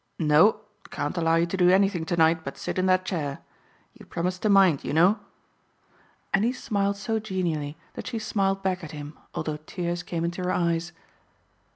"No, can't allow you to do anything tonight but sit in that chair. You promised to mind, you know," and he smiled so genially that she smiled back at him although tears came into her eyes.